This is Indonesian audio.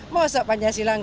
mau sok panjang silang